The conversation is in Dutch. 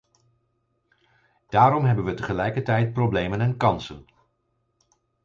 Daarom hebben we tegelijkertijd problemen en kansen.